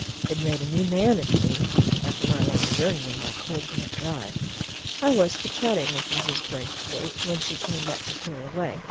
It made a new man of me, after my long journey and my cold, damp drive. I was for chatting with Mrs. Braithwaite when she came up to clear away.